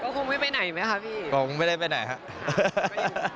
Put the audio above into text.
ก็คงไม่ไปไหนไหมคะพี่ก็คงไม่ได้ไปไหนครับ